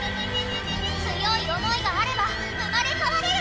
強い想いがあれば生まれ変われる！